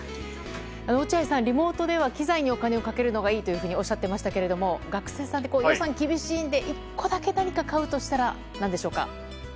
落合さん、リモートでは機材にお金をかけるのがいいとおっしゃっていましたが学生さんって予算が厳しいので１個だけ買うとしたら何でしょうか。